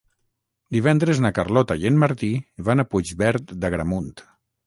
Divendres na Carlota i en Martí van a Puigverd d'Agramunt.